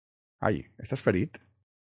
Ai! Estàs ferit?